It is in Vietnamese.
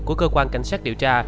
của cơ quan cảnh sát điều tra